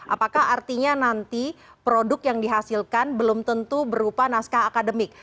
apakah artinya nanti produk yang dihasilkan belum tentu berupa naskah akademik